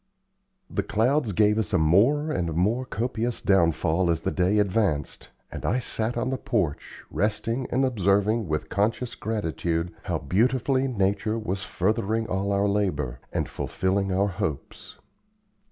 The clouds gave us a more and more copious downfall as the day advanced, and I sat on the porch, resting and observing with conscious gratitude how beautifully nature was furthering all our labor, and fulfilling our hopes.